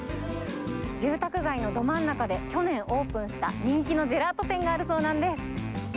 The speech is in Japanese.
住宅街のど真ん中で、去年オープンした人気のジェラート店があるそうなんです。